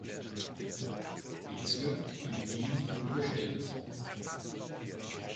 Bezirk in Wien überstellt.